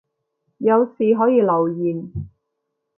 有事可以留言